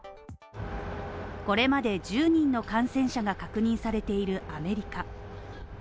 これまで１０人の感染者が確認されているアメリカ。